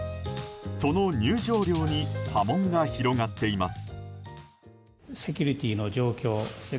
その入場料に波紋が広がっています。